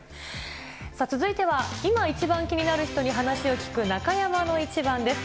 続いては、今一番気になる人に話を聞く、中山のイチバンです。